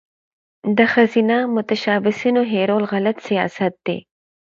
د ښځینه متشبثینو هیرول غلط سیاست دی.